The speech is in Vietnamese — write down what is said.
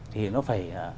thì nó phải